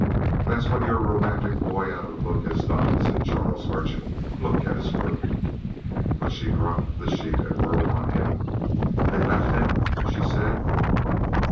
"That's what your romantic boy out of a book has done," said Charles Merchant. "Look at his work!" But she dropped the sheet and whirled on him. "And they left him " she said.